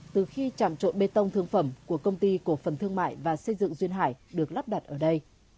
từ khi chạm trộn bê tông thương phẩm của công ty cổ phần thương mại và xây dựng duyên hải được lắp đặt ở đây